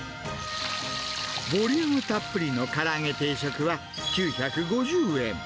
ボリュームたっぷりのから揚げ定食は、９５０円。